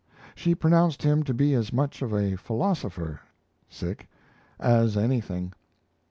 She pronounced him to be as much of a Pholosopher as anything.